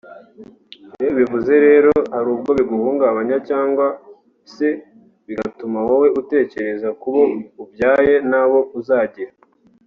Iyo ubivuze rero hari ubwo biguhungabanya cyangwa se bigatuma wowe utekereza ku bo ubyaye n’abo uzagira